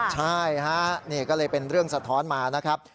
ใช่ฮะนี่ก็เลยเป็นเรื่องสะท้อนมานะครับ